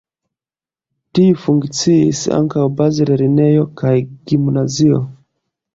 Tie funkciis ankaŭ bazlernejo kaj gimnazio.